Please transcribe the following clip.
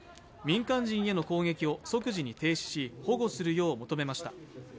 民間人への攻撃を即時に停止し保護するよう求めました。